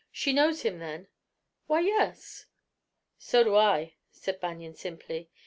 "She knows him then?" "Why, yes." "So do I," said Banion simply.